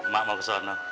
mak mau kesana